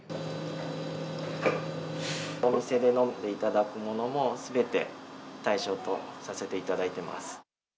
お店で飲んでいただくものもすべて対象とさせていただいてます。